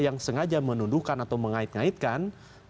yang sengaja menundukan atau mengait ngaitkan